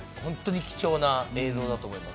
貴重な映像だと思います。